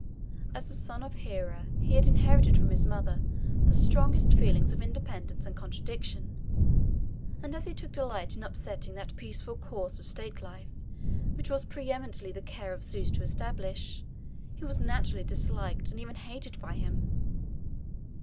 As the son of Hera, he had inherited from his mother the strongest feelings of independence and contradiction, and as he took delight in upsetting that peaceful course of state life which it was pre eminently the care of Zeus to establish, he was naturally disliked and even hated by him.